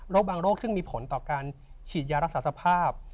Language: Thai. บางโรคซึ่งมีผลต่อการฉีดยารักษาสภาพ